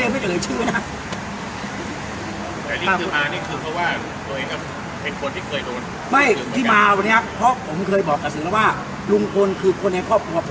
มีหมอตาด้วยด้วยครับเอ่อโจทย์มีลุงคนคนเดียวครับครับ